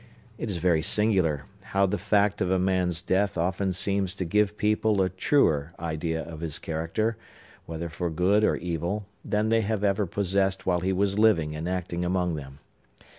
It is very singular, how the fact of a man's death often seems to give people a truer idea of his character, whether for good or evil, than they have ever possessed while he was living and acting among them.